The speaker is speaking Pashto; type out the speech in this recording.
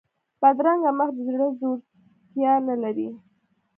بدرنګه مخ د زړه زړورتیا نه لري